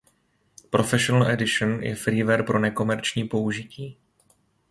Professional Edition je freeware pro nekomerční použití.